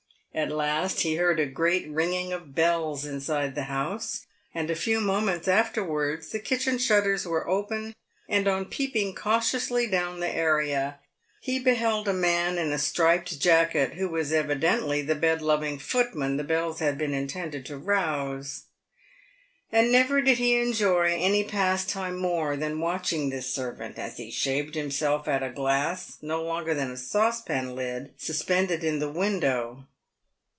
At last he heard a great ringing of bells inside the house, and a few moments afterwards the kitchen shutters were opened, and on peeping cautiously down the area he beheld a man in a striped jacket, who was evidently the bed loving footman the bells had been intended to rouse; and never did he enjoy any pastime more than watching this servant, as he shaved himself at a glass, no larger than a saucepan lid, suspended in the window.